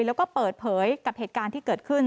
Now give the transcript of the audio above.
แล้วก็เปิดเผยกับเหตุการณ์ที่เกิดขึ้น